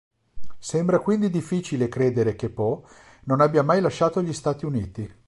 Sembra quindi difficile credere che Poe non abbia mai lasciato gli Stati Uniti.